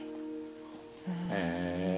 へえ。